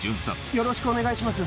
よろしくお願いします。